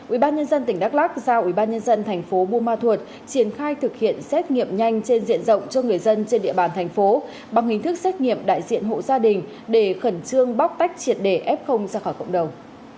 ubnd tỉnh đắk lắc giao ubnd thành phố buôn ma thuột triển khai thực hiện xét nghiệm nhanh trên diện rộng cho người dân trên địa bàn thành phố bằng hình thức xét nghiệm đại diện hộ gia đình để khẩn trương bóc tách triệt để f ra khỏi cộng đồng